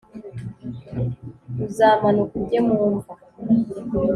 uzamanuka ujye mu mva